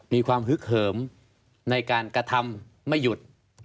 มีความฮึกเหิมในการกระทำไม่หยุด